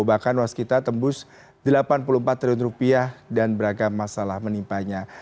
bahkan waskita tembus delapan puluh empat triliun rupiah dan beragam masalah menimpanya